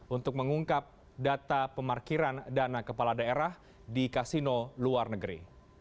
untuk mengungkap data pemarkiran dana kepala daerah di kasino luar negeri